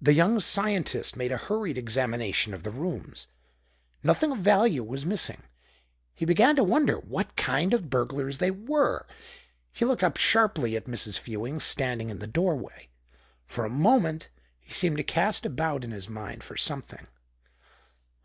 The young scientist made a hurried examination of the rooms. Nothing of value was missing. He began to wonder what kind of burglars they were. He looked up sharply at Mrs. Fewings standing in the doorway. For a moment he seemed to cast about in his mind for something.